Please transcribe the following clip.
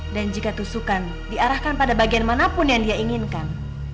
dan jika tusukan diarahkan pada bagian manapun yang dia inginkan